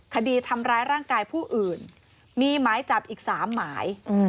คดีทำร้ายร่างกายผู้อื่นมีหมายจับอีก๓หมาย